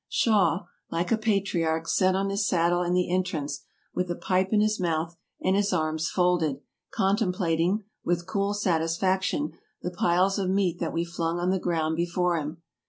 Shaw, like a patriarch, sat on his saddle in the entrance, with a pipe in his mouth, and his arms folded, contemplating, with cool satisfaction, the piles of meat that we flung on the ground before him.